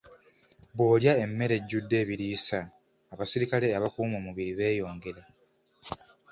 Bw'olya emmere ejjudde ebiriisa, abasirikale abakuuma omubiri beeyongera.